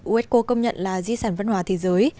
unesco công nhận là di sản văn hóa thế giới